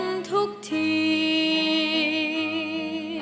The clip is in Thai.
เพราะตัวฉันเพียงไม่อาทัม